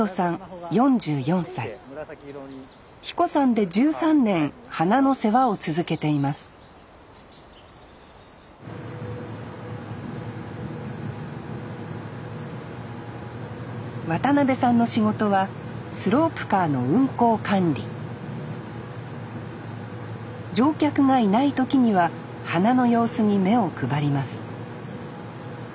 英彦山で１３年花の世話を続けています渡邉さんの仕事はスロープカーの運行管理乗客がいない時には花の様子に目を配ります